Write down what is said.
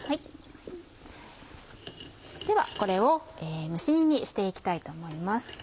ではこれを蒸し煮にして行きたいと思います。